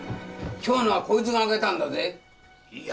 今日のはこいつが揚げたんだぜいや